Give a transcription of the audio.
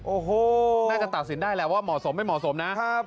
โอ้โหน่าจะตัดสินได้แหละว่าเหมาะสมไม่เหมาะสมนะครับ